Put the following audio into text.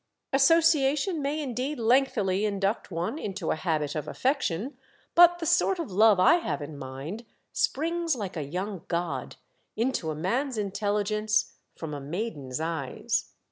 Association may indeed lengthily induct one into a habit of affection, but the sort of love I have in my mind springs like a young god into a man's intelligence from a maiden's eyes.